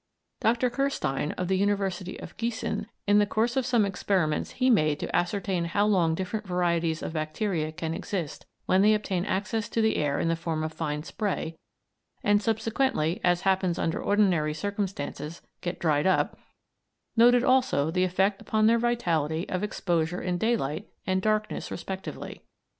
Dr. Kirstein, of the University of Giessen, in the course of some experiments he made to ascertain how long different varieties of bacteria can exist when they obtain access to the air in the form of fine spray, and subsequently, as happens under ordinary circumstances, get dried up, noted also the effect upon their vitality of exposure in daylight and darkness respectively.